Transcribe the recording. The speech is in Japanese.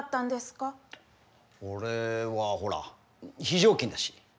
俺はほら非常勤だし。